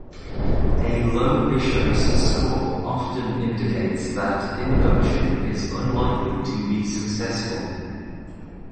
A low Bishop's score often indicates that induction is unlikely to be successful.